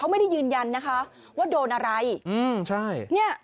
ว่าโดนอะไร